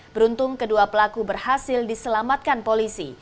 beruntung kedua pelaku berhasil diselamatkan polisi